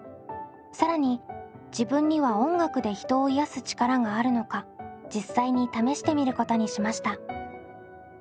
更に自分には音楽で人を癒す力があるのか実際に試してみることにしました。